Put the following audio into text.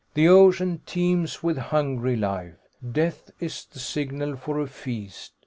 "The ocean teems with hungry life. Death is the signal for a feast.